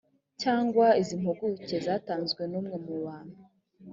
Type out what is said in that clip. cyangwa iz impuguke zatanzwe n umwe mu bantu